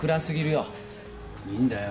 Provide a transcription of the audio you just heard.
いいんだよ。